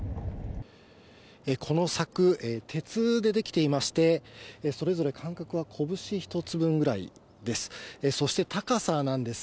この柵、鉄で出来ていまして、それぞれ間隔は拳１つ分ぐらいです。